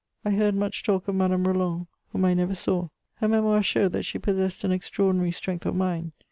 I heard much talk of Madame Roland, whom I never saw: her Memoirs show that she possessed an extraordinary strength of mind.